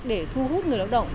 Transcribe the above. để thu hút người lao động